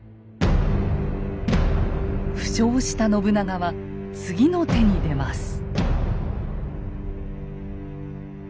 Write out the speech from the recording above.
負傷した信長は次の手に出ます。